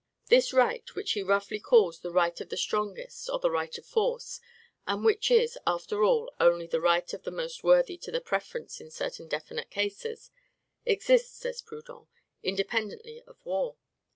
This right, which he roughly calls the right of the strongest or the right of force, and which is, after all, only the right of the most worthy to the preference in certain definite cases, exists, says Proudhon, independently of war.